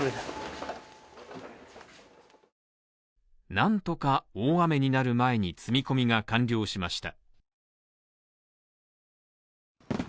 なんとか大雨になる前に積み込みが完了しました。